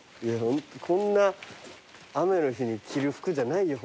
こんな雨の日に着る服じゃないよ